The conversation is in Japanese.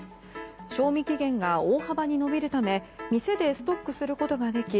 賞味期限が大幅に延びるため店でストックすることができ